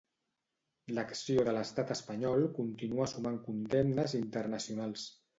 L'acció de l'Estat espanyol continua sumant condemnes internacionals.